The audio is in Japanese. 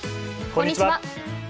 こんにちは。